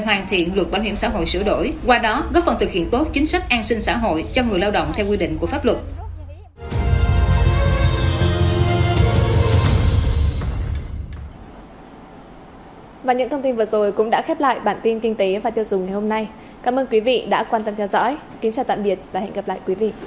kính chào tạm biệt và hẹn gặp lại quý vị